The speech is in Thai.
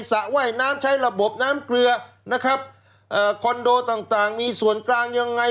สระว่ายน้ำใช้ระบบน้ำเกลือนะครับเอ่อคอนโดต่างต่างมีส่วนกลางยังไง